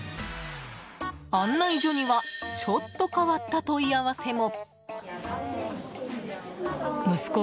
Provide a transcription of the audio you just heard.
案内所にはちょっと変わった問い合わせも。